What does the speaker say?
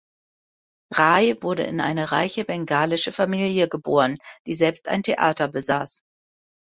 Rai wurde in eine reiche bengalische Familie geboren, die selbst ein Theater besaß.